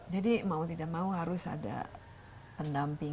jadi mau tidak mau harus ada pendampingan